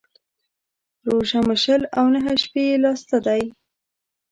روژه مو شل او نه شپې يې لا سته دى.